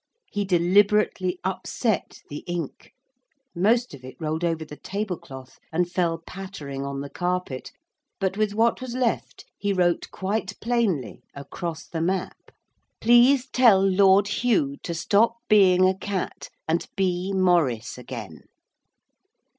He deliberately upset the ink most of it rolled over the table cloth and fell pattering on the carpet, but with what was left he wrote quite plainly, across the map: 'Please tell Lord Hugh to stop being a cat and be Mau rice again.'